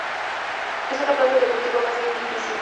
Es una planta de cultivo más bien difícil.